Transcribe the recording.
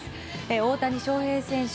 大谷翔平選手